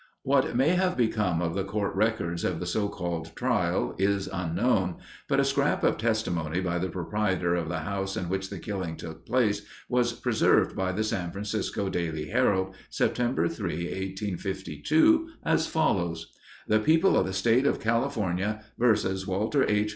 What may have become of the court records of the so called trial is unknown, but a scrap of testimony by the proprietor of the house in which the killing took place was preserved by the San Francisco Daily Herald, September 3, 1852, as follows: The People of the State of California vs. Walter H.